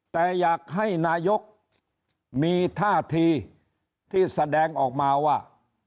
แต่อยากให้นายกมีท่าทีที่แสดงออกมาว่า